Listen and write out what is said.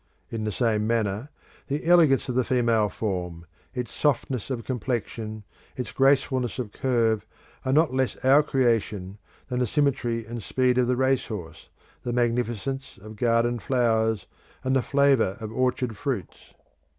In the same manner the elegance of the female form, its softness of complexion, its gracefulness of curve are not less our creation than the symmetry and speed of the racehorse, the magnificence of garden flowers, and the flavour of orchard fruits.